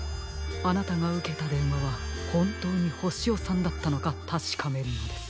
あなたがうけたでんわはほんとうにホシヨさんだったのかたしかめるのです。